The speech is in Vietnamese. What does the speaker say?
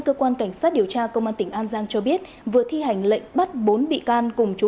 cơ quan cảnh sát điều tra công an tỉnh an giang cho biết vừa thi hành lệnh bắt bốn bị can cùng chú